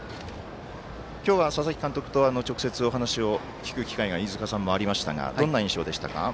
今日は佐々木監督と直接お話を聞く機会が飯塚さんもありましたがどんな印象でしたか？